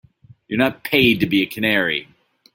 You're not paid to be a canary.